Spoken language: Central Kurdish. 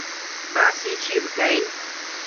باسی چی بکەین؟